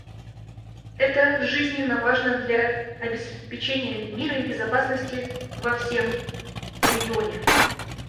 Это жизненно важно для обеспечения мира и безопасности во всем регионе.